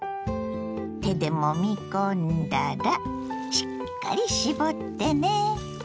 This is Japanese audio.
手でもみ込んだらしっかり絞ってね。